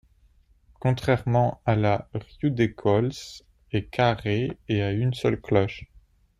Contrairement à la Riudecols est carré et a une seule cloche.